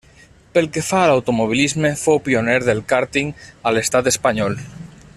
Pel que fa a l'automobilisme, fou pioner del kàrting a l'estat espanyol.